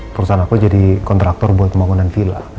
perusahaan aku jadi kontraktor buat pembangunan villa